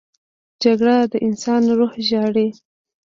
جګړه د انسان روح ژاړي